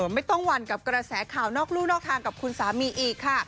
ไม่ต้องหวั่นกับกระแสข่าวนอกลูกนอกทางกับคุณสามีอีกค่ะ